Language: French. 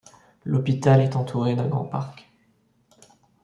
L’hôpital est entouré d'un grand parc.